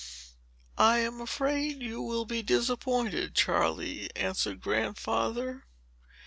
"I am afraid you will be disappointed, Charley," answered Grandfather.